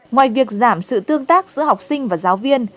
ngoài việc giảm sự tương tác giữa học sinh và giáo viên